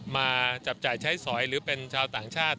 มาจับจ่ายใช้สอยหรือเป็นชาวต่างชาติ